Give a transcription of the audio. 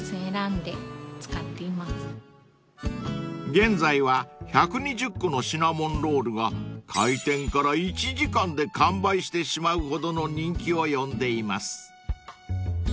［現在は１２０個のシナモンロールが開店から１時間で完売してしまうほどの人気を呼んでいます］